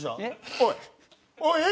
おい。